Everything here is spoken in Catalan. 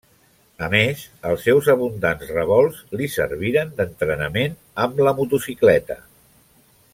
A més, els seus abundants revolts li serviren d'entrenament amb la motocicleta.